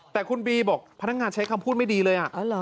แต่คุณบีบอกพนักงานใช้คำพูดไม่ดีเลย